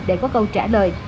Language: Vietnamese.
để có câu trả lời